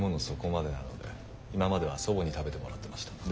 そこまでなので今までは祖母に食べてもらってました。